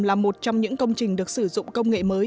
là một trong những công trình được sử dụng công nghệ mới